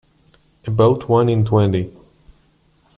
About one in twenty.